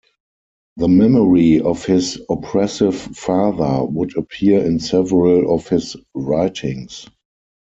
The memory of his oppressive father would appear in several of his writings.